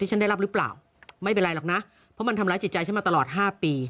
ฉันได้รับหรือเปล่าไม่เป็นไรหรอกนะเพราะมันทำร้ายจิตใจฉันมาตลอด๕ปี